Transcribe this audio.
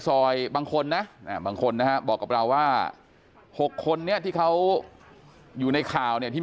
ซอยบางคนนะบางคนบอกกับเราว่า๖คนที่เขาอยู่ในข่าวที่